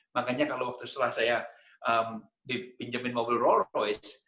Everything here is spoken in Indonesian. makanya kalau setelah saya dipinjami mobil rolls royce